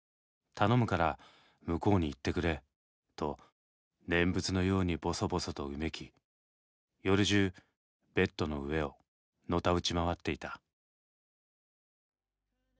頼むから向こうに行ってくれと念仏のようにぼそぼそと呻き夜じゅうベッドの上をのたうち回っていた」。